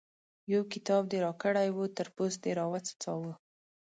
يو کتاب دې راکړی وو؛ تر پوست دې راوڅڅاوو.